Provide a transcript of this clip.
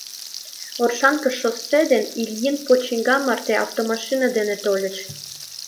Оршанке шоссе ден Ильин почиҥга марте автомашина дене тольыч.